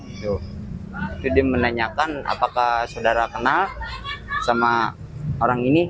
itu dia menanyakan apakah saudara kenal sama orang ini